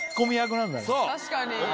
確かに！